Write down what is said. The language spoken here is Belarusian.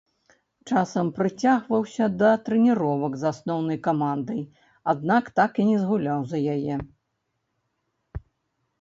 Часам прыцягваўся да трэніровак з асноўнай камандай, аднак так і не згуляў за яе.